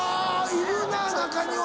いるな中には。